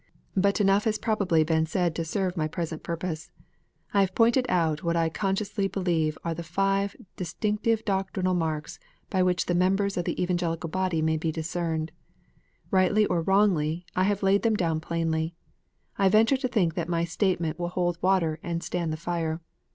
But enough has probably been said to serve my present purpose. I have pointed out what I conscientiously believe are the five dis tinctive doctrinal marks by which the members of the Evangel ical body L may be discerned. Rightly or wrongly, I have laid them down plainly. I venture to think that my statement will hold water and stand the fire.